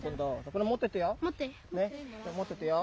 これ持っててよ。